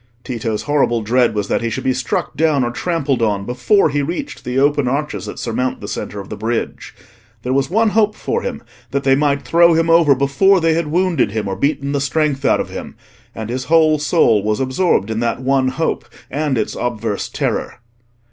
Tito's horrible dread was that he should be struck down or trampled on before he reached the open arches that surmount the centre of the bridge. There was one hope for him, that they might throw him over before they had wounded him or beaten the strength out of him; and his whole soul was absorbed in that one hope and its obverse terror.